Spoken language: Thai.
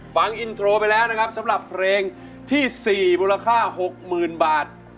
ฟังอินโทรไปแล้วนะครับสำหรับเพลงที่๔มูลค่า๖๐๐๐บาท